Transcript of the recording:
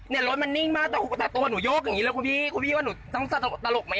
รถมันนิ่งมากแต่ตัวหนูโยกอย่างนี้เลยคุณพี่คุณพี่ว่าหนูต้องตลกไหม